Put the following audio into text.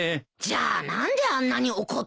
じゃあ何であんなに怒ったの？